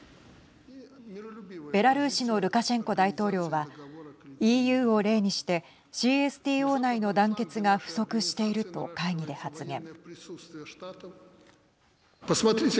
ベラルーシのルカシェンコ大統領はＥＵを例にしてＣＳＴＯ内の団結が不足していると会議で発言。